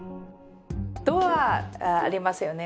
ドアありますよね